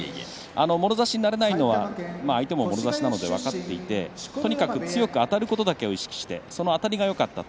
もろ差しにならないのは相手も分かっていてとにかく強くあたることだけを意識して、その辺りがよかったと。